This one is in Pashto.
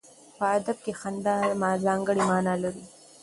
په ادب کې خندا ځانګړی معنا لري.